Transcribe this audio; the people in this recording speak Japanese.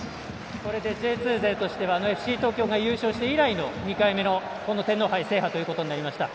これでＪ２勢としてはＦＣ東京が優勝して以来の２回目の天皇杯制覇となりました。